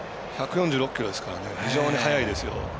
１４６キロですから非常に速いですよ。